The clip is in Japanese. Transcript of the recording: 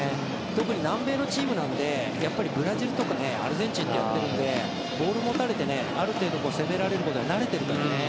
特に南米のチームなのでやっぱりブラジルとかアルゼンチンとやってるのでボールを持たれてある程度攻められることに慣れてるんですね。